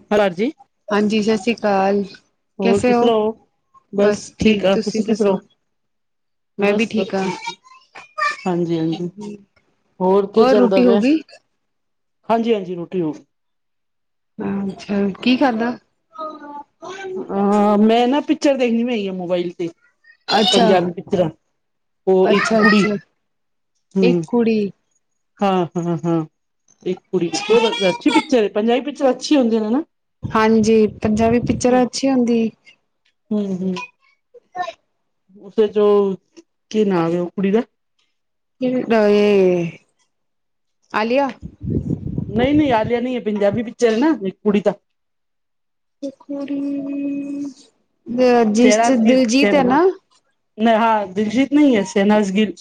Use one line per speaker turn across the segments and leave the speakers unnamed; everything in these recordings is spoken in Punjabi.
[unintelligible]
ਹਾਂਜੀ- ਸਤਿ ਸ਼੍ਰੀ ਅਕਾਲ
ਹੋਰ
ਕੈਸੇ
ਕਿਸ
ਹੋ
ਤਰ੍ਹਾਂ ਬਸ ਠੀਕ ਆ ਤੁਸੀਂ ਕੀ
ਮੈਂ ਵੀ
ਬਸ ਸਭ
ਹਾਂ
ਠੀਕ, ਹਾਂਜੀ -ਹਾਂਜੀ ਹੋਰ ਕੀ ਚੱਲਦਾ
ਰੋਟੀ ਹੋ
ਪਿਆ,
ਗਈ
ਹਾਂਜੀ- ਹਾਂਜੀ ਰੋਟੀ ਰ
ਅੱਛਾ, ਕੀ ਖਾਧਾ
ਅਹ, ਮੈਂ ਨਾ ਪਿਕਚਰ ਦੇਖਣੀ ਪੈਂ ਆ ਮੋਬਾਇਲ ਤੇ
ਅੱਛਾ
ਪੰਜਾਬੀ ਪਿਕਚਰਾਂ, ਉਹ ਇੱਕ
ਅੱਛਾ
ਕੁੜੀ,
ਅੱਛਾ
ਹਮ
ਇੱਕ ਕੁੜੀ
ਹਾਂ- ਹਾਂ- ਹਾਂ ਇੱਕ ਕੁੜੀ ਬਹੁਤ ਅੱਛੀ ਪਿਕਚਰ ਹੈ ਪੰਜਾਬੀ ਪਿਕਚਰ ਅੱਛੀ ਹੁੰਦੇ ਨੇ ਹਨਾ
ਹਾਂਜੀ, ਪੰਜਾਬੀ ਪਿਕਚਰ ਅੱਛੀ ਹੁੰਦੀ
ਹਮ- ਹਮ
[inaudible] [inaudible]
ਉਸੇ ਚ ਉਹ, ਕੀ ਨਾਂ ਹੈ ਉਹ ਕੁੜੀ ਦਾ
ਇਹ ਏ ਆਲੀਆ।
ਨਹੀਂ -ਨਹੀਂ ਆਲਿਆ ਨਹੀਂ ਏ ਪੰਜਾਬੀ ਪਿਕਚਰ ਹੈ ਨਾ ਇੱਕ ਕੁੜੀ ਦਾ
ਇਕ ਕੁੜੀ ਜਿਸ ਚ
ਸ਼ਹਿਨਾਜ਼ ਗਿੱਲ,
ਦਿਲਜੀਤ ਹੈ
ਸ਼ਹਿਨ ਹਾਂ,
ਨਾ।
ਹਾਂ ਦਲਜੀਤ ਨਹੀਂ ਹੈੇ ਸ਼ਹਨਾਜ ਗਿਲ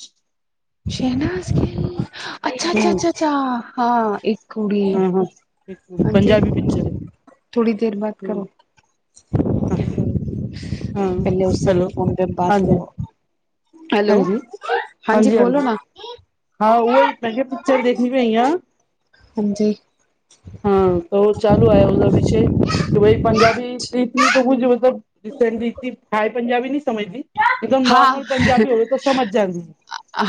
ਸ਼ਹਨਾਜ ਗਿੱਲ ਅੱਛਾ- ਅੱਛਾ-
ਹੂੰ,
ਅੱਛਾ -ਅੱਛਾ ਹਾਂ ਕੁੜੀ,
ਹਾਂ-ਹਾਂ।
ਹਾਂਜੀ ਥੋੜੀ ਦੇਰ ਬਾਦ ਕਰੋ।
ਹੱ
ਪਹਿਲੇ ਉਸੇ ਸੇ ਫ਼ੋਨ ਪੇ ਬਾਤ
ਹਾਂਜੀ,
ਕਰੋ ਹੈਲੋ
ਹਾਂਜੀ- ਹਾਂਜੀ-
ਬੋਲੋ
ਹਾਂਜੀ
ਨਾ
ਹਾਂ ਉ ਹੀ ਮੈ ਕਿਹਾ ਪਿਕਚਰ ਦੇਖਣੀ ਪਈ ਆ
ਹਾਂਜੀ
ਹਾਂ ਉਹ ਚਾਲੂ ਆ ਉਹਦਾ ਵਿਸ਼ਯ ਕਿ ਭਈ ਪੰਜਾਬੀ ਤਾਂ ਕੁਝ ਮਤਲਬ ਰੀਸੈਂਟਲੀ ਇਤਨੀ ਹਾਈ ਪੰਜਾਬੀ ਨਹੀਂ ਸਮਝਦੀ, ਇੱਕਦਮ
ਹਾਂ
ਨੋਰਮਲ ਪੰਜਾਬੀ ਹੋਵੇ ਤਾਂ ਸਮਝ ਜਾਂਦੀ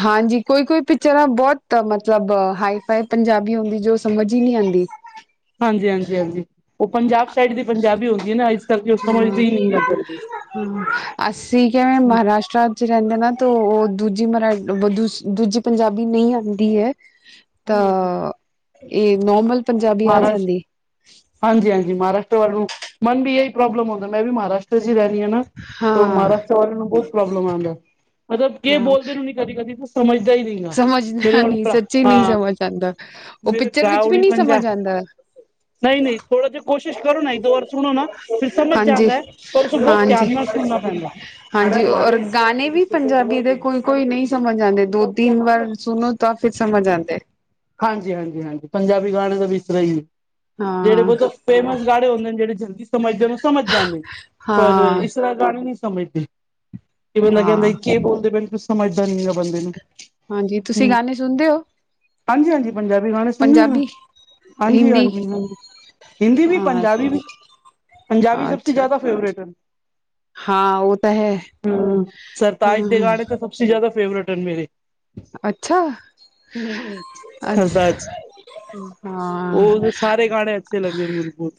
ਹਾਂਜੀ, ਕੋਈ- ਕੋਈ ਪਿਕਚਰਾਂ ਬਹੁਤ ਮਤਲਬ, ਹਾਈ ਫਾਈ ਪੰਜਾਬੀ ਹੁੰਦੀ ਜੋ ਸਮਝ ਹੀ ਨਹੀਂ ਆਉਂਦੀ
[inaudible] [inaudible] ਹਾਂਜੀ- ਹਾਂਜੀ- ਹਾਂਜੀ ਉਹ ਪੰਜਾਬ ਸਾਈਡ ਦੀ ਪੰਜਾਬੀ ਹੁੰਦੀ ਹੈ ਨਾ, ਇਸ ਕਰਕੇ ਉਸ ਸਮਦੀ ਨ ਗੱਲ ਜਾਂਦੀ
ਅਸੀ ਕਿਵੇਂ ਮਹਾਰਾਸ਼ਟਰ ਚ ਰਹਿੰਦੇ ਨਾ ਤੇ ਉਹ ਦੂਜੇ ਮਰਾ ਦੂ ਦੂਜੀ ਪੰਜਾਬੀ ਨਹੀਂ ਆਉਂਦੀ ਹੈ ਤਾਂ ਇਹ ਨੋਮਲ
ਮਹਾਰਾਜ ਹਾਂਜੀ -ਹਾਂਜੀ ਮਹਾਰਾਸ਼ਟਰ ਵੱਲ ਨੂੰ, ਮਨ ਵੀ ਇਹੀ ਪ੍ਰੋਬਲਮ ਹੁੰਦਾ, ਮੈਂ ਵੀ ਮਹਾਰਾਸ਼ਟਰ ਚ ਹੀ ਰਹਿ ਰਹੀ ਹ ਨਾ ਤ
ਹਾਂ
ਮਹਾਰਾਸ਼ਟਰ ਵਾਲੇ ਨੂੰ ਬਹੁਤ ਪ੍ਰੋਬਲਮ ਆਉਂਦਾ, ਮਤਲਬ ਕਿ ਬੋਲਦੇ ਕਦੀ- ਕਦੀ ਸਮਝਦਾ ਹੀ ਨਹੀਂ-
ਸਮਝਣਾ ਨੀ ਸੱਚੇ ਨਹੀਂ ਸਮਝ ਆਉਦਾਉਹ
ਮੇਰੇ
ਪਿਕਚਰ ਵਿੱਚ ਵੀ ਨਹੀਂ ਸਮਝ ਆਉਦਾ
ਨਹੀ- ਨਹੀ ਥੋੜ੍ਹਾ ਜਿਹਾ ਕੋਸ਼ਿਸ਼ ਕਰੋ ਨਾ, ਇੱਕ ਦੋ ਵਾਰ ਸੁਣੋ ਨਾ ਫਿਰ ਸਮਝ
ਹਾਂਜੀ
ਜਾਂਦਾ ਹੈ, ਪਰ ਉਸਨੂੰ ਬਹੁਤ ਧਿਆਨ
ਹਾਂਜੀ
ਨਾਲ ਸੁਣਨਾ ਪੈਂਦਾ
ਹਾਂਜੀ। ਔਰ ਗਾਨੇ ਵੀ, ਪੰਜਾਬੀ ਦੇ ਕੋਈ- ਕੋਈ ਨਹੀ, ਸਮਝ ਆਂਦੇ ਦੋ ਤਿੰਨ ਵਾਰ, ਸੁਣੋ ਤਾਂ ਫੇਰ ਸਮਝ ਆਉਂਦੇ।
ਹਾਂਜੀ -ਹਾਂਜੀ- ਹਾਂਜੀ ਪੰਜਾਬੀ ਗਾਣੇ ਦਾ ਵਿ ਇਸ ਤਰਾ ਹੀ ਹੈ
ਹਾਂ
ਜਿਹੜੇ ਫੇਮਸ ਗਾਨੇ ਹੁੰਦੇ ਨੇ ਜਿਹੜੇ, ਜਲਦੀ ਸਮਝਦੇ ਨੂੰ ਸਮਝ ਜਾਂਦੇ ਨੇ ਪਰ
ਹਾਂ
ਇਸ ਤਰ੍ਹਾਂ ਗਾਨੇ ਨੀ ਸਮਝਦੇ, ਇਹ ਬੰਦਾ ਕਹਿੰਦਾ
ਹਾਂ
ਕੀ ਬੋਲਦੇ ਪਏ ਕ ਸਮਝਦਾ ਨੀ ਹੈਗਾ ਬੰਦੇ ਨੂੰ
ਹਾਂਜੀ, ਤੁਸੀ ਗਾਨੇ ਸੁਣਦੇ ਹੋ
ਹਾਂਜੀ- ਹਾਂਜੀ ਪੰਜਾਬੀ ਗਾਣੇ ਸੁਣੇਆਂ ਨਾ,
ਪੰਜਾਬੀ
ਹਾਂਜੀ- ਹਾਂਜੀ-
ਹਿੰਦੀ
ਹਾਂਜੀ ਹਿੰਦੀ ਵੀ,
ਅ
ਪੰਜਾਬੀ ਵੀ, ਪੰਜਾਬੀ ਸਭ ਸੇ
ਅੱਛਾ
ਜ਼ਿਆਦਾ ਫੇਵਰੇਟ ਹੈ
ਹਾਂ ਉਹ ਤਾਂ ਹੈ
ਹਮ, ਸਰਤਾਜ ਦੇ
ਹਾਂ
ਗਾਣੇ ਤਾਂ ਸਭ ਸੇ ਜ਼ਿਆਦਾ ਫੇਵਰੇਟ ਹਨ ਮੇਰੇ
ਅੱਛਾ
ਸਰਦਾਰ
ਅੱਛਾ
ਜੀ,
ਹਾਂ
ਉਹ ਸਾਰੇ, ਗਾਨੇ ਅੱਛੇ ਲੱਗਦੇ। ਮੇਨੁ ਬਹੁਤ।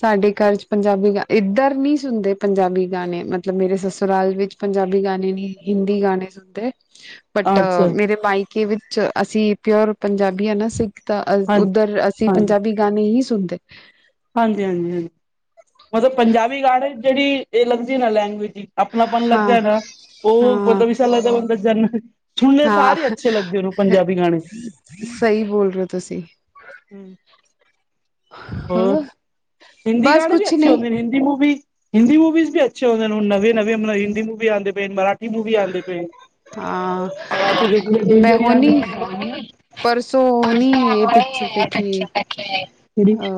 ਸਾਡੇ ਘਰ, ਚ ਪੰਜਾਬੀ ਗਾ, ਇੱਧਰ ਨੀ ਸੁਣਦੇ, ਪੰਜਾਬੀ ਗਾਣੇ। ਮਤਲਬ ਮੇਰੇ ਸਸੁਰਾਲ ਵਿੱਚ। ਪੰਜਾਬੀ ਗਾਣੇ ਨੀ, ਹਿੰਦੀ ਗਾਣੇ ਸੁਣਦੇ। ਅ
ਅੱਛਾ,
ਮੇਰੇ ਮਾਈਕੇ ਵਿਚ, ਅਸੀਂ ਪਿਓਰ ਪੰਜਾਬੀ ਆ, ਨਾ ਅਸੀ। ਤਾਂ ਅ,
ਹਾਂਜੀ,
ਉਧਰ ਅਸੀ, ਪੰਜਾਬੀ ਗਾਣੇ ਹੀ, ਸੁਣਦੇ।
ਹਾਂਜੀ -ਹਾਂਜੀ, ਹਾਂਜੀ। ਮਤਲਬ ਪੰਜਾਬੀ ਗਾਣੇ। ਜੇੜੀ ਏ ਲਗਦੀ ਨਾ ਲੈਂਗੁਏਜ ਜੀ। ਅਪਣਾਪਨ
ਹਾਂ
ਲਗਦੇ ਨਾ। ਉਹ
ਹਾਂ
ਮਤਲਬ ਇਸਰਾ ਲਗਦਾ ਬਣੀ ਜਣਤ ਸੁਣਦੇ ਸਾਰ ਹੀ। ਅੱਛੇ ਲੱਗਦੇ ਉਹਨੂੰ
ਹੇ
ਪੰਜਾਬੀ ਗਾਣੇ।
ਸਈ, ਬੋਲ ਰੇ ਓ, ਤੁਸੀ।
ਹੂੰ। ਹੋਰ?
ਹਾਂ
ਹਿੰਦੀ
ਬਸ
ਗਾਣੇ ਵੀ
ਕੁਛ
ਅੱਛੇ
ਨਹੀਂ
ਓਨੇ। ਹਿੰਦੀ ਮੂਵੀ, ਹਿੰਦੀ ਮੂਵੀਜ ਵੀ, ਅੱਛੇ ਹੁੰਦੇ ਨੇ ਉਨਾਂਦੇ। ਨਵੀਆ ਬਨਾਈ ਹਿੰਦੀ ਮੂਵੀਆ, ਆਉਂਦੇ ਪਏ। ਮਰਾਠੀ ਮੂਵੀਆ ਆਉਂਦੇ ਪਏ ਨੇ।
ਹਾਂ। ਮੈਂ ਹੁਣੀ। ਪਰਸੋ ਨੀ, ਏ ਪਿਚਰ ਦੇਖੀ। ਅ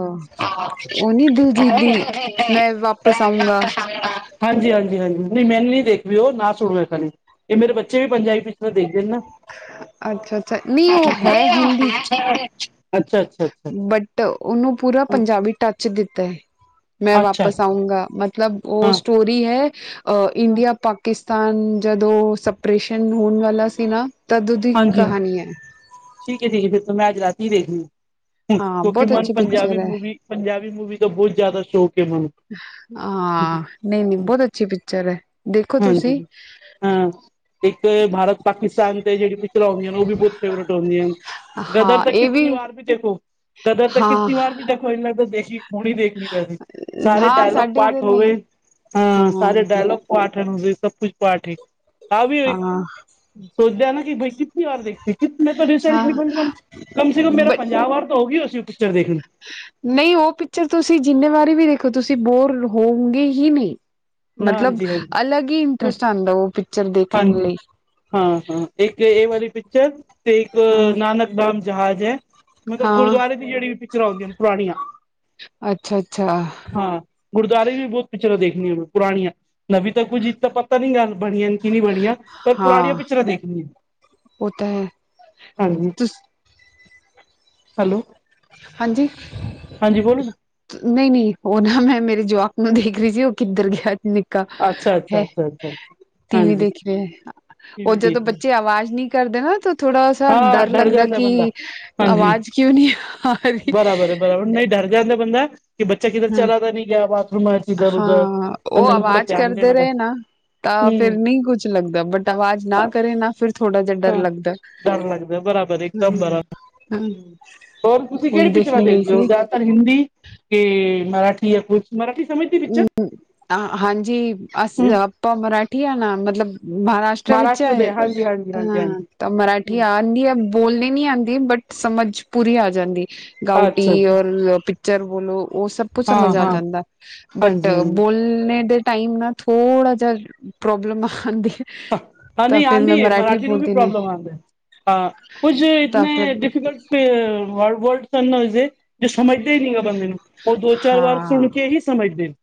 ਉਹਨੀ, ਦੂਜੀ ਦੀ।
[unintelligible]
ਮੈਂ ਵਾਪਿਸ ਆਊਂਗਾ
ਹਾਂਜੀ- ਹਾਂਜੀ, ਹਾਂਜੀ। ਨਹੀ ਮੈਨੂੰ ਨੀ, ਦੇਖ ਵੀ ਉਹ। ਨਾ ਸੁਣੋੈਂ ਇਹ ਏਦਾਂ ਦੀ। ਮੇਰੇ ਬੱਚੇ ਵੀ ਪੰਜਾਬੀ ਪਿਕਚਰ ਦੇਖਦੇ ਨੇ, ਨਾ।
ਅੱਛਾ ਅੱਛਾ ਨਹੀਂ ਉਹ ਹੈ ਹਿੰਦੀ ਚ
ਅੱਛਾ- ਅੱਛਾ। ਅੱਛਾ
ਬਟ ਉਹਨੂੰ ਪੂਰਾ, ਪੰਜਾਬੀ ਟੱਚ ਦਿੱਤਾ ਹੈ, ਮੈਂ ਵਾਪਿਸ ਆਊਂਗਾ। ਮ ਮਤਲਬ, ਉਹ ਸਟੋਰੀ ਹੈ, ਇੰਡੀਆ ਪ ਪਾਕਿਸਤਾਨ ਜਦੋਂ ਸਪਰੇਸ਼ਨ, ਹੋਣ ਵਾਲਾ ਸੀ ਨਾ, ਤਦੋਂ ਦੀ ਕਹਾਣੀ ਹੈ।
ਠੀਕ ਹੈ -ਠੀਕ ਹੈ। ਫੇਰ ਤਾਂ, ਮੈਂ ਅੱਜ ਰਾਤੀ ਹੀ ਦੇਖਣੀ।
ਹਾਂ
ਕਿਉਂਕਿ,
ਬਹੁਤ
ਮਨ
ਅੱਛੀ
ਪੰਜਾਬੀ
ਪਿਕਚਰ ਹੈ
ਮੂਵੀ ਪੰਜਾਬੀ ਮੂਵੀ ਦਾ, ਬਹੁਤ ਜ਼ਿਆਦਾ ਸ਼ੌਕ ਹੈ। ਮੈਨੂੰ।
ਹਾਂ। ਨਹੀਂ -ਨਹੀਂ, ਬਹੁਤ ਅੱਛੀ ਪਿਕਚਰ ਹੈ। ਦੇਖੋ ਤੁਸੀ।
ਹਾਂਜੀ ਹਾਂ। ਇਕ ਭਾਰਤ, ਪਾਕਿਸਤਾਨ ਤੇ, ਜੇੜੀ ਪਿੱਚਰਾ ਹੁੰਦੀਆ ਹਨ। ਉਹ ਵੀ ਬਹੁਤ ਫੇਵਰੇਟ ਹੁੰਦੀਆ ਹਨ। ਗਦਰ
ਹਾਂ
ਤੇ
ਇਹ
ਕਿਤਨੀ ਵਾਰ ਵੀ ਦੇਖੋ, ਗਦਰ ਤੇ
ਹਾਂ
ਕਿਤਨੀ ਵਾਰ ਵੀ ਦੇਖੋ। ਇੰਜ ਲਗਦਾ ਦੇਖੀ ਹੁਣੀ ਦੇਖਣੀ ਪੈਂਦੀ। ਸਾਰੇ
ਹਾਂ
ਡੇਲੋਕ
ਸਾਡੇ
ਪਾਠ
ਇੱਧਰ ਵੀ
ਹੋਵੇ। ਹਾਂ ਸਾਰੇ ਡੇਲੋਕ। ਪਾਠਣ ਵੀ, ਸਭ ਕੁਛ ਪਾਠ ਈ। ਆ ਵੀ, ਇਕ
ਹਾਂ
ਸੋਚਦੇਆ ਨਾ। [unintelligible] ਚਰ,
ਹਾਂ
ਦੇਖਣੀ।
ਨਈ ਉਹ, ਪਿਚਰ ਤੁਸੀ ਜਿੰਨੇਵਾਰੀ ਵੀ, ਦੇਖੋ। ਤੁਸੀ, ਬੋਰ ਹੋਗੇ ਹੀ, ਨੀ। ਮਤਲਬ,
ਹਾਂਜੀ ਹਾਂਜੀ
ਅਲਗ ਈ ਇੰਟਰੇਸਟ ਆਉਦਾ। ਉਹ ਪਿਚ
ਹਾਂਜੀ। ਹਾਂ-ਹਾਂ, ਏਕ ਏ ਵਲੀ, ਪਿਚਰ ਤੇ ਇਕ,
ਹਾਂ
ਨਾਨਕ ਨਾਮ ਜਹਾਜ਼ ਐ। ਮਤਲਬ
ਹਾਂ
ਗੁਰਦੁਆਰੇ ਦੀ, ਜੇੜੀ ਵੀ ਪਿਚਰਾ, ਆਉਂਦੀਆਂ ਨੇ ਪੁਰਾਣੀਆਂ।
ਅੱਛਾ -ਅੱਛਾ।
ਹਾਂ। ਗੁਰਦੁਆਰੇ ਵੀ ਮੈ, ਬਹੁਤ ਪਿੱਚਰਾ ਦੇਖਣੀਆ ਨੇ, ਪੁਰਾਣੀਆ। ਨਵੀ ਤਾਂ, ਕੁੱਝ ਇਤਾ ਪਤਾ ਨੀ ਹੈ, ਬਣਿਆ। ਕੀ ਨੀ ਬਣਿਆ। ਪਰ ਪੁਰਾਣੀਆ
ਹਾਂ
ਪਿਚਰਾ, ਦੇਖਣੀਆ।
ਉਹ ਤਾਂ ਹੈ
ਹਾਂਜੀ।
ਤੁਸ
ਹੈਲੋ।
ਹਾਂਜੀ।
ਹਾਂਜੀ ਬੋਲੋ
ਨਈ ਨੀ। ਉਹ ਨਾ ਮੈਂ ਮੇਰੇ ਜਵਾਕ ਨੂੰ ਦੇਖ ਰੀ ਸੀ ਉਹ ਕਿੱਧਰ ਗਿਆ।
ਅੱਛਾ ਅੱਛਾ
ਹੈ।
ਅੱਛਾ ਅੱਛਾ ਅੱਛਾ
ਟੀਵੀ
ਹਾਂਜੀ
ਦੇਖ ਰੇ ਐ।
ਇਹ
ਉਹ
ਵੀ
ਜਦੋ
ਦੇਖ
ਬੱਚੇ ਆਵਾਜ਼ ਨੀ ਕਰਦੇ ਨਾ ਤਾਂ ਥੋੜਾ ਸਾ
ਹਾਂ
ਡਰ ਲੱਗਦਾ
ਜਾਂਦਾ
ਕਿ
ਬੰਦਾ ਹਾਂਜੀ
ਆਵਾਜ਼ ਕਿਉਂ ਨੀ ਆ ਰਹੀ
ਬਰਾਬਰ- ਬਰਾਬਰ, ਨਈ ਡਰ ਜਾਂਦਾ ਬੰਦਾ। ਕਿ ਬੱਚਾ ਕਿਧਰ,
ਹਮ
ਚਲਾ ਤਾ ਨੀ ਗਿਆ। ਬਾਥਰੂਮਾ ਚ। ਇਧਰ ਉਧਰ
ਹਾਂ।
ਬੰਦੇ
ਉਹ
ਨੂੰ ਥੋੜਾ
ਅਵਾਜ਼,
ਧਿਆਨ
ਕਰਦੇ
ਦੇਣਾ ਪੈ
ਰਏ ਨਾ। ਤਾ ਫੇਰ,
ਹੂੰ
ਨਈ ਕੁਛ ਲਗਦਾ। ਬਟ ਆਵਾਜ਼ ਨਾ ਕਰੇ ਨਾ, ਫਿਰ ਥੋੜਾ ਜਿਆ ਡਰ
ਹਾਂ
ਲਗਦਾ।
ਡਰ ਲਗਦਾ। ਬਰਾਬਰ ਇਕਦਮ ਬਰਾਬ ਹੋਰ ਤੁਸੀਂ ਕੇੜੀ
ਉਹੀ
ਪਿਚਰਾਂ
ਦੇਖਣੇ ਗਈ
ਦੇਖਦੇ ਓ?
ਸੀ
ਔਰ ਹਿੰਦੀ? ਕੇ ਮਰਾਠੀ ਯਾ ਕੁਛ। ਮਰਾਠੀ, ਸਮਝ ਤੀ।
ਹੂੰ। ਆ ਹਾਂਜੀ, ਅਸੀ
ਹੂੰ
ਆਪਾਂ, ਮਰਾਠੀ ਆ ਨਾ। ਮਤਲਬ, ਮਹਾਰਾਸ਼
ਮਹਾਰਾਸ਼ਟਰ ਦੇ ਹਾਂਜੀ ਹਾਂਜੀ ਹਾਂਜੀ ਹਾਂਜੀ
[unintelligible] ਬੋਲਣੀ ਨੀ ਆਂਦੀ। ਬਟ ਸਮਝ, ਪੂਰੀ ਆ ਜਾਂਦੀ ਏ। ਗਾਊਟੀ
ਅੱਛਾ ਅੱਛਾ
ਔਰ ਪਿੱਚਰ ਬੋਲੋ ਉਹ ਸਭ ਕੁਛ ਸਮਝ
ਹਾਂ
ਆ
ਹਾਂ
ਜਾਂਦੇ। ਬਟ
ਹਾਂਜੀ ਹਾਂਜੀ
ਬੋ ਖੁਲਣੇ ਦੇ ਟਾਈਮ ਨਾ ਥੋੜਾ ਜਿਆ ਪ੍ਰੋਬਲਮ ਹਾਂਦੀ ਹੈ।
ਹਾਂ
ਤਾਂ
ਨੀ
ਫਿਰ
ਆਂਦੀ
ਮੈਂ
ਏ। ਮਰਾਠੀ ਨੂੰ ਵੀ
ਬੋਲਦੀ ਨੇ
ਪ੍ਰੋਬਲਮ ਆਂਦੀ। ਹਾਂ ਕੁਝ
ਤਾਂ ਫਿਰ
ਇਤਨੇ ਡਿਫੀਕਲਟ [unintelligible] ਜੋ ਸਮਝਦੇ ਨੀ ਓ ਬੰਦੇ ਨੂੰ ਉਹ ਦੋ ਚਾਰ ਵਾਰ
ਹਾਂ
ਸੁਣ ਕੇ ਹੀ ਸਮਝਦੇ ਨ।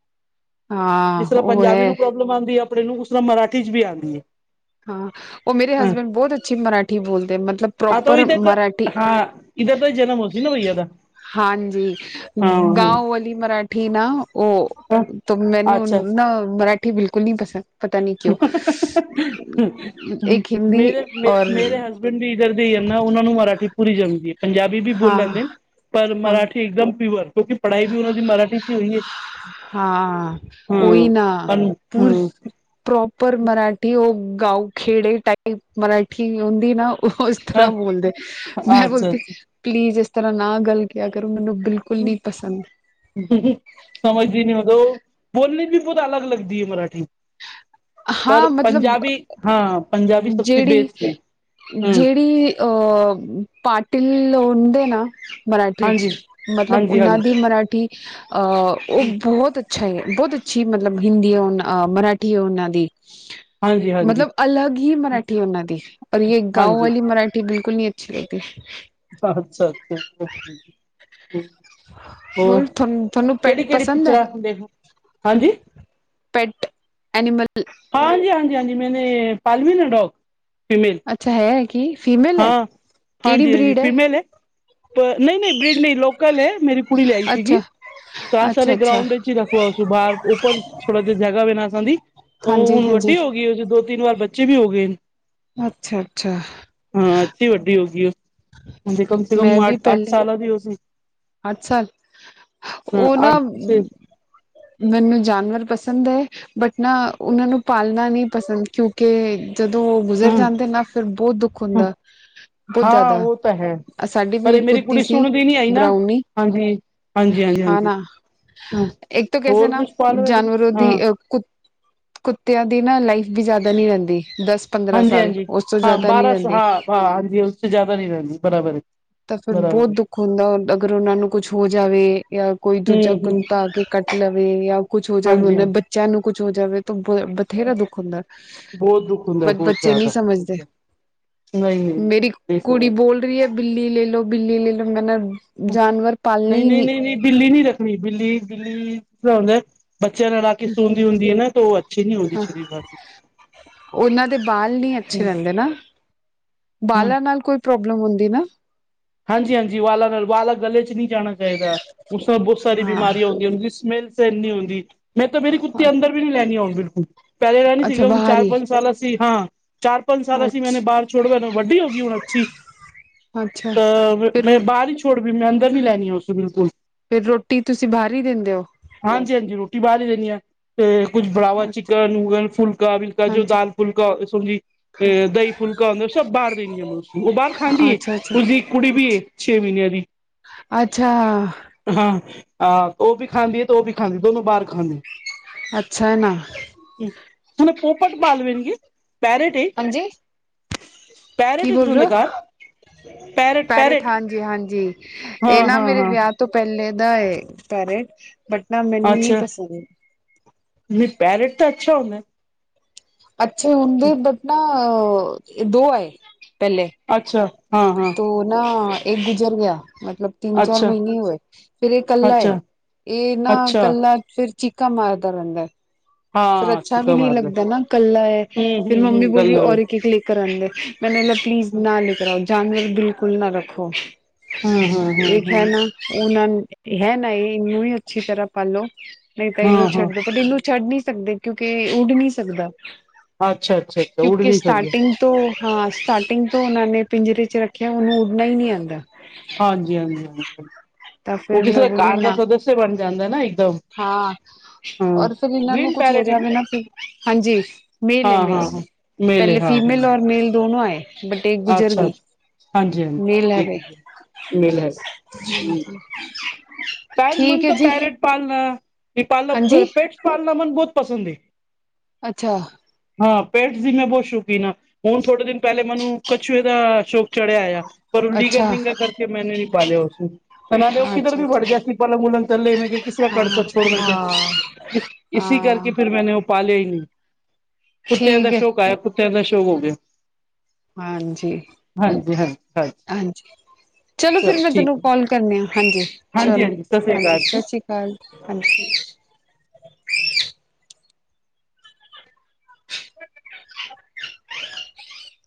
ਹਾਂ
ਜਿਸ ਤਰ੍ਹਾਂ
ਉਹ
ਪੰਜਾਬੀ
ਹੈ
ਨੂੰ ਪ੍ਰੋਬਲਮ ਆਉਂਦੀ ਐ ਅਪਣੇ ਨੂੰ ਉਸ ਤਰ੍ਹਾਂ ਮਰਾਠੀ ਚ ਵੀ ਆਂਦੀ
ਹਾਂ, ਉਹ ਮੇਰੇ
ਹਾਂ
ਹਸਬੈਂਡ ਬਹੁਤ ਅੱਛੀ ਮਰਾਠੀ ਬੋਲਦੇ, ਮਤਲਬ ਪ੍ਰੋਪਰ ਮਰਾਠੀ
ਇੱਧਰ ਦਾ ਜਨਮ ਹੋ ਸੀ ਨਾ ਬਈਆ ਦਾ।
ਹਾਂਜੀ ਗਾਓ ਵਾਲੀ ਮਰਾਠੀ ਨਾ ਉਹ ਮੈਨੂੰ ਨਾ ਮਰਾਠੀ, ਬਿਲਕੁਲ ਨੀ ਪਸੰਦ ਪਤਾ ਨੀ ਕਿਉਂ। ਇੱਕ ਹਿੰਦੀ ਔਰ
ਭਿੰਡੀ ਇੱਧਰ ਦੇ ਏ ਨਾ ਉਹਨਾਂ ਨੂੰ ਮਰਾਠੀ ਪੂਰੀ ਜੰਮਦੀ ਐ। ਪੰਜਾਬੀ ਵੀ ਬੋਲ
ਹਾਂ
ਲੈਂਦੇ ਨੇ, ਪਰ
ਹਾਂ
ਮਰਾਠੀ ਇੱਕਦਮ ਪਿਓਰ ਕਿਉਂਕਿ ਪੜ੍ਹਾਈ ਵੀ ਉਹਨਾਂ ਦੀ ਮਰਾਠੀ ਚ ਹੀ ਹੋਈ ਏ
ਹਾਂ
ਹੂ
ਉਹੀ ਨਾ ਪੂਰ
ਹੂ।
ਪ੍ਰੋਪਰ ਮਰਾਠੀ ਉਹ ਗਾਉ ਖੇੜੇ ਟਾਈਪ ਮਰਾਠੀ ਹੁੰਦੀ ਨਹੀਂ ਉਹ ਵੱਖਰਾ
ਹਾਂ ਹਾਂ,
ਬੋਲਦੇ ਮੈਂ
ਅੱਛਾ
ਬੋਲਦੀ
ਅੱਛਾ
ਪਲੀਜ ਇਸ ਤਰਾਂ ਨਾ ਗੱਲ ਕਿਆ ਕਰੂ ਮੈਨੂੰ ਬਿਲਕੁਲ
ਹਮ।
ਨਹੀਂ ਪਸੰਦ
ਸਮਝਦੀ ਨੀ ਉਦੋਂ, ਬੋਲਣੀ ਵੀ ਬਹੁਤ ਅਲੱਗ ਲੱਗਦੀ ਏ ਮਰਾਠੀ।
ਹਾਂ
ਪਰ
ਮਤਲਬ
ਪੰਜਾਬੀ ਹਾਂ, ਪੰਜਾਬੀ ਸਭ ਤੋਂ ਬੇਸਟ ਏ ਹੂ।
ਆ ਪਾਟਿਲ ਹੋਣ ਦੇ ਨਾ ਮਰਾਠੀ ਚ ਮਤਲਬ ਉਹਨਾਂ ਦੀ ਮਰਾਠੀ ਅਹ ਉਹ ਬਹੁਤ ਅੱਛਾ ਏ, ਬਹੁਤ ਅੱਛੀ ਮਤਲਬ ਹਿੰਦੀ ਆ ਮਰਾਠੀ ਆ ਉਹਨਾਂ ਦੀ।
ਹਾਂਜੀ ਹਾਂਜੀ
ਮਤਲਬ ਅਲੱਗ ਹੀ ਮਰਾਠੀ ਉਹਨਾਂ ਦੀ, ਔਰ ਜੇ ਗਾਓ
ਹਾਂਜੀ
ਵਾਲੀ ਮਰਾਠੀ ਬਿਲਕੁਲ ਨੀ ਅੱਛੀ ਲਗਦੀ।
ਅੱਛਾ ਅੱਛਾ। ਹੋਰ
ਤੁਹਾਨੂੰ ਤੁਹਾਨੂੰ
ਕਿਹੜੀ
ਪੈਟ
ਕਿਹੜੀ
ਪਸੰਦ ਹੈ
ਪਿੱਚਰਾਂ ਦੇਖੋ ਹਾਂਜੀ?
ਪੈਟ ਐਨੀਮਲ
ਹਾਂ ਹਾਂਜੀ ਹਾਂਜੀ ਹਾਂਜੀ ਮੈਨੇ ਪਾਲੇ ਵੀ ਨੇ ਡੋਗ ਫੀਮੇਲ।
ਅੱਛਾ ਹੈ ਕਿ ਫੀਮੇਲ ਏ
ਹਾਂ
ਕਿਹੜੀ
ਹਾਂਜੀ ਹਾਂਜੀ
ਬਰੀਡ ਏ?
ਫੀਮੇਲ ਹੈ ਨਹੀਂ ਨਹੀਂ ਬ੍ਰਿਡ ਨਹੀਂ ਲੋਕਲ ਐ, ਮੇਰੀ ਕੁੜੀ ਲਿਆਈ ਸੀਗੀ।
ਅੱਛਾ
ਤਾਂ
ਅੱਛਾ
ਸਾਰੇ
ਅੱਛਾ
ਗ੍ਰਾਊਂਡ ਚ ਹੀ ਰੱਖਵਾ ਉਸ ਤੋਂ ਬਾਹਰ ਉੱਪਰ ਥੋੜਾ ਜਗਾਂ ਵਾ ਉਹਨਾਂ ਨਾ ਦੀ। ਉਹ
ਹਾਂਜੀ
ਹੁਣ
ਹਾਂਜੀ
ਵੱਡੀ ਹੋ ਗਈ ਉਸ ਦੇ ਦੋ ਤਿੰਨ ਵਾਰ ਬੱਚੇ ਵੀ ਹੋ ਗਏ।
ਅੱਛਾ ਅੱਛਾ।
ਬਹੁਤ ਵੱਡੀ ਹੋ ਗਈ, ਹੁਣ ਤੇ ਕਮ ਸੇ ਕਮ ਅੱਠ ਸਾਲਾਂ ਦੀ ਉਹ ਸੀ।
ਅੱਛਾ
ਹਾਂ
ਉਹ ਨਾ
ਅੱਠ
ਮੈਨੂੰ ਜਾਨਵਰ ਪਸੰਦ ਏ। ਬਟ ਨਾ ਉਹਨਾਂ ਨੂੰ ਪਾਲਣਾ ਨਹੀਂ ਪਸੰਦ ਕਿਉਂਕਿ ਜਦੋਂ ਉਹ ਗੁਜ਼ਰ
ਹਾਂ
ਜਾਂਦੇ ਨਾ ਫੇਰ ਬਹੁਤ ਦੁੱਖ
ਹਾਂ
ਹੁੰਦਾ ਬਹੁਤ
ਹਾਂ
ਜ਼ਿਆਦਾ।
ਉਹ ਤਾਂ ਹੈ।
ਸਾਡੀ
ਪਰ
ਵੀ
ਇਹ
ਇੱਕ
ਮੇਰੀ
ਕੁੱਤੀ
ਕੁੜੀ
ਸੀ
ਸੁਣਦੀ ਨੀ ਆਈ ਨਾ
ਬਰਾਉਨੀ
ਹਾਂਜੀ ਹਾਂਜੀ ਹਾਂਜੀ
ਹਾਂ
ਹਾਂਜੀ
ਨਾ
ਹਾਂ
ਇੱਕ ਤਾਂ ਕੈਸੇ
ਹੋਰ
ਨਾ
ਕੁਛ ਪਾ ਲਵੇ
ਜਾਨਵਰੋਂ ਦੀ
ਹਾਂ
ਅ ਕੁ ਕੁੱਤਿਆਂ ਦੀ ਨਾ ਲਾਈਫ ਵੀ ਜ਼ਿਆਦਾ ਨੀ ਰਹਿੰਦੀ ਦਸ ਪੰਦਰਾਂ
ਹਾਂਜੀ
ਸਾਲ
ਹਾਂਜੀ
ਉਸ ਤੋਂ
ਹਾਂ,
ਜ਼ਿਆਦਾ ਨਹੀਂ
ਬਾਰਾਂ ਸ
ਰਹਿੰਦੀ
ਹਾਂ ਹਾਂ ਹਾਂਜੀ ਉਸ ਚ ਜ਼ਿਆਦਾ ਨਹੀਂ ਰਹਿੰਦੀ ਬਰਾਬਰ।
ਤਾਂ ਫਿਰ ਬਹੁਤ
ਬਰਾਬਰ ਹੈ
ਦੁੱਖ ਹੁੰਦਾ ਅਗਰ ਉਹਨਾਂ ਨੂੰ ਕੁਛ ਹੋ ਜਾਵੇ ਜਾਂ ਕੋਈ ਦੂਜਾ
ਹਮ
ਕੁਛ
ਹਮ
ਤਾਂ ਕਿ ਕੱਟ ਲਵੇ ਜਾਂ ਕੁੱਛ ਹੋ ਜਾਵੇ
ਹਾਂਜੀ
ਉਹਨਾਂ ਬੱਚਿਆਂ ਨੂੰ ਕੁਛ ਹੋ ਜਾਵੇ ਤਾਂ ਬ ਬਥੇਰਾ ਦੁੱਖ ਹੁੰਦਾ
ਬਹੁਤ ਦੁੱਖ ਹੁੰਦਾ
ਪਰ
ਬਹੁਤ
ਬੱਚੇ ਨਹੀਂ
ਜ਼ਿਆਦਾ
ਸਮਝਦੇ।
ਨਹੀਂ ਨਹੀਂ
ਮੇਰੀ
ਨਹੀਂ
ਕੁੜੀ
ਸਮਝ
ਬੋਲ ਰਹੀ ਏ, ਬਿੱਲੀ ਲੈ ਲੋ ਬਿੱਲੀ ਲੈ ਲਓ ਮੈਂ ਨ
ਨਹੀਂ ਨਹੀਂ ਨਹੀਂ ਨਹੀਂ ਬਿੱਲੀ ਨਹੀਂ ਰੱਖਣੀ ਬਿੱਲੀ ਬਿੱਲੀ ਬੱਚਿਆਂ ਨਾਲ ਲਾ ਕੇ ਸੁੰਦੀ ਹੁੰਦੀ ਏ ਨਾ ਤਾਂ ਉਹ ਅੱਛੀ ਨੀ ਹੁੰਦੀ
ਹਾਂ
ਸਰੀਰ ਵਾਸਤੇ।
ਉਹਨਾਂ ਦੇ ਬਾਲ ਨਹੀਂ ਅੱਛੇ ਰਹਿੰਦੇ ਨਾ,
ਹਾਂ
ਬਾਲਾਂ ਨਾਲ ਕੋਈ ਪ੍ਰੋਬਲਮ ਹੁੰਦੀ ਨਾ।
ਹਾਂਜੀ-ਹਾਂਜੀ [unintelligible] ਚ ਨਹੀਂ ਜਾਣਾ ਚਾਹੀਦਾ, ਉਸ ਨਾਲ ਬਹੁਤ ਸਾਰੀ
ਹਾਂ
ਬਿਮਾਰੀਆਂ ਹੁੰਦੀਆਂ ਉਹਦੀ ਸਮੈਲ [unintelligible] ਮੈਂ ਤਾਂ ਮੇਰੀ ਕੁੱਤੀ ਅੰਦਰ ਵੀ ਨਹੀਂ ਲੈ ਕੇ ਅਉਣ ਦਿੱਤੀ ਪਹਿਲੇ ਰਹਿਣੀ
ਅੱਛਾ
ਸੀਗਾ ਹੁਣ
ਬਾਹਰ ਹੀ
ਚਾਰ-ਪੰਜ ਸਾਲਾਂ ਸੀ ਹਾਂ। ਚਾਰ ਪੰਜ ਸਾਲ ਅਸੀਂ ਮੈਂਨ
ਅੱਛਾ
ਬਾਹਰ ਛੋੜੋ ਇਹਨੂੰ ਵੱਡੀ ਹੋ ਗਈ ਹੁਣ [unintelligible]
ਅੱਛਾ
ਤਾਂ
ਫਿਰ
ਮੈਂ ਬਾਹਰ ਹੀ ਛੋੜ ਵੀ ਮੈਂ ਅੰਦਰ ਨਹੀ ਲੈਣੀ ਹੈ ਉਸੇ ਬਿਲਕੁਲ।
ਫਿਰ ਰੋਟੀ ਤੁਸੀਂ ਬਾਹਰ ਹੀ ਦਿੰਦੇ ਹੋ?
ਹਾਂਜੀ-ਹਾਂਜੀ ਰੋਟੀ ਬਾਰ ਈ ਦੇਣੀ ਆ, ਤੇ ਕੁਛ ਬਣਾਵਾ, ਚਿਕਨ, ਉਗ ਫੁਲਕਾ ਬਿਲ ਜੋ
ਹਾਂਜੀ
ਦਾਲ ਫੁਲਕਾਝੀ, ਸਬਜੀ ਅ ਦਹੀਂ ਫੁਲਕਾ ਹੁੰਦਾ ਸਭ ਬਾਹਰ ਦੇਣੀ ਹੈ ਮੈਂ ਉਸ ਉਹ ਬਾਹਰ ਖਾਂਦੀ ਏ।
ਅੱਛਾ ਅੱਛਾ
ਉਸਦੀ ਇੱਕ ਕੁੜੀ
ਅੱਛਾ
ਵੀ ਏ, ਛੇ ਮਹੀਨਿਆਂ ਦੀ।
ਅੱਛਾ
ਹਾਂ ਆ ਉਹ ਵੀ ਖਾਂਦੀ ਹੈ ਤੇ ਉਹ ਵੀ ਖਾਂਦੀ ਦੋਨੋ ਬਾਹਰ ਖਾਂਦੀਆਂ।
ਅੱਛਾ ਨਾ। ਹਾਂਜੀ
[unintelligible]
ਕੀ ਬੋਲ ਰਹੇ ਹੋ
[unintelligible]
ਪੈਰਟ ਹਾਂਜੀ ਹਾਂਜੀ ਇਹ ਨਾ ਮੇਰੇ ਵਿਆਹ ਤੋਂ ਪਹਿਲੇ ਦਾ ਏ ਪੈਰੇਟ ਬਟ ਨਾ ਮੈਨੂੰ ਨਹੀਂ ਪਸੰਦ।
ਨਹੀਂ ਪੈਰਟ ਤਾਂ ਅੱਛਾ ਹੁੰਦਾ ਏ।
ਅੱਛੇ ਹੁੰਦੇ ਬਟ ਨਾ ਦੋ ਆਏ। ਪਹਿਲੇ
ਅੱਛਾ ਹਾਂ ਹਾਂ
ਤੋ ਨਾ ਇੱਕ ਗੁਜ਼ਰ ਗਿਆ ਮਤਲਬ ਤਿੰਨ ਚਾਰ
ਅੱਛਾ
ਮਹੀਨੇ ਹੋਏ ਫੇਰ ਇਹ ਕੱਲਾ ਏ
ਅੱਛਾ
ਇਹ ਨਾ
ਅੱਛਾ
ਕੱਲਾ ਫਿਰ ਚਿੱਕਾ ਮਾਰਦਾ ਰਹਿੰਦਾ। ਫਿਰ
ਹਾਂ
ਅੱਛਾ ਵੀ
ਚੀਕਾ
ਨਹੀਂ
ਮਾਰਦਾ
ਲੱਗਦਾ ਨਾ ਕੱਲਾ ਏ
ਹੂੰ ਹੂੰ
ਫੇਰ
ਹੂੰ
ਮੰਮੀ
ਗੱਲ
ਬੋਲ ਔਰ ਲਿ
ਹੂੰ
[unintelligible] ਪਲੀਜ਼ ਨਾ ਨ ਕਰਾਓ ਜਾਨਵਰ ਬਿਲਕੁਲ ਨਾ ਰੱਖੋ।
ਹੂੰ ਹੂੰ
ਏਕ ਹੈ
ਹੂੰ
ਨਾ ਉਹਨੂੰ ਹੀ ਨ ਇਹ ਇਹਨੂੰ ਹੀ ਅੱਛੀ ਤਰ੍ਹਾਂ ਪਾਲੋ। ਨਹੀਂ ਤਾਂ ਇਹਨੂੰ
ਹਾਂ
ਛੱਡਦੇ
ਹਾਂ
ਬਟ ਇਹਨੂੰ ਛੱਡ ਨੀ ਸਕਦੇ ਕਿਉਂਕਿ ਉੱਡ ਨਹੀਂ ਸਕਦਾ।
ਅੱਛਾ ਅੱਛਾ ਅੱਛਾ ਉੱਡ
ਕਿਉਂਕਿ
ਨਹੀਂ ਸਕਦੇ
ਸਟਾਰਟਿੰਗ ਤੋਂ ਹਾਂ ਸਟਾਰਟਿੰਗ ਤੋਂ ਉਹਨਾਂ ਨੇ ਪਿੰਜਰੇ ਚ ਰੱਖਿਆ, ਉਹਨੂੰ ਉੱਡਣਾ ਹੀ ਨਹੀਂ ਆਉਂਦਾ।
ਹਾਂਜੀ-ਹਾਂਜੀ-ਹਾਂਜੀ
ਤਾਂ
ਉਹ
ਫਿਰ
ਕਿਸੇ
ਮੈਂ
ਦਾ
ਬੋਲੀ
ਘਰ ਦਾ
ਨਾ
ਸਦੱਸਯ ਬਣ ਜਾਂਦਾ ਨਾ ਇਕਦਮ।
ਹਾਂ ਔਰ ਫੇਰ ਇਹਨਾਂ ਨੂੰ ਕੁਛ ਹੋ
ਪੈਰਟ ਹੈ
ਜਾਵੇ ਨਾ, ਹਾਂਜੀ ਮੇਲ ਏ ਮੇਲ
ਹਾਂ-ਹਾਂ ਮੇਲੇ
ਪਹਿਲੇ
ਹਾਂ
ਫੀਮੇਲ ਔਰ ਮੇਲ ਦੋਨੋ ਆਏ ਬਟ ਇੱਕ ਗੁਜ਼ਰ
ਅੱਛਾ
ਗਈ। ਮੇਲ ਹੈ
ਹਾਂਜੀ-ਹਾਂਜੀ
ਵੇ
[unintelligible] ਮਿਲ ਹੈ ਪੈਰ
ਠੀਕ
ਮਨ
ਹੈ
ਤਾਂ
ਜੀ
ਪੈਰਟ। ਪਾਲਣਾ। ਪਾਲਣਾ
ਹਾਂਜੀ
ਪੇਟਸ ਪਾਲਣਾ ਮਨ ਬਹੁਤ ਪਸੰਦ ਏ।
ਅੱਛਾ।
ਹਾਂ, ਪੇਟਸ ਦੀ ਮੈਂ ਬਹੁਤ ਸ਼ੌਕੀਨ ਹਾਂ, ਹੁਣ ਥੋੜੇ ਦਿਨ ਪਹਿਲੇ ਮੈਨੂੰ ਕੱਛੂਏ ਦਾ ਸ਼ੌਕ ਚੜਿਆ ਆਇਆ। ਪਰ ਉਹ ਲੀਗਲ
ਅੱਛਾ
ਨਿੰਗਾਲ ਕਰਕੇ ਮੈਨੇ ਨੀ ਪਾ ਲਿਆ ਉਸਨੂੰ। ਤਾਂ ਨਾਲੇ, ਉਹ ਕਿੱਧਰ
ਅੱਛਾ
ਵੀ ਬੜ
ਅੱਛਾ
ਜਾਏ ਸੀ ਪਲੰਗ- ਪਲੰਗ ਥੇਤੇ ਲੇੈਂ ਕਿਸਰ ਕੜਸ
ਹਾਂ
ਛੋੜ ਮੈਂ ਕੇ
ਹਾਂ
ਇਸ ਇਸੀ ਕਰਕੇ
ਹਾਂ
ਫਿਰ ਮੈਂਨੇ ਪਾਲਿਆ ਈ ਨਈ, ਕੁੱਤੇਦਾ
ਠੀਕ ਹੈ
ਸ਼ੋ ਆਇਆ ਕੁੱਤਿਆ ਦਾ ਸ਼ੌਅ ਹੋ ਗਿਆ।
ਹਾਂਜੀ।
ਹਾਂਜੀ-ਹਾਂਜੀ-ਹਾਂਜੀ।
ਹਾਂਜੀ। ਚਲੋ ਫਿਰ ਮੈਂ
ਠੀਕ
ਤੈਨੂੰ
ਹੈ
ਕੋਲ ਕਰਨੀ ਹ ਹਾਂਜੀ
ਹਾਂਜੀ
ਚਲੋ
ਹਾਂਜੀ ਸਤਿ ਸ੍ਰੀ
ਹਾਂਜੀ
ਅਕਾਲ
ਸਤਿ
ਜੀ
ਸ਼੍ਰੀ ਅਕਾਲ ਹਾਂਜੀ।
[inaudible]
[inaudible]